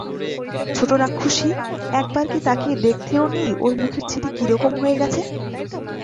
ছোটো রাক্ষুসী, একবার কি তাকিয়ে দেখতেও নেই ওর মুখের ছিরি কিরকম হয়ে গেছে!